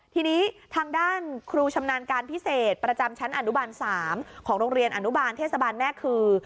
ทีนี้ทางด้านครูชำนาญการพิเศษประจำชั้นอนุบาล๓ของโรงเรียนอนุบาลเทศบาลแม่คือ